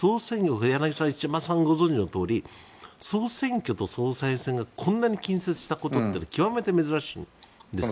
柳澤さん、ご存じのとおり総選挙と総裁選がこんなに近接したことが極めて珍しいんです。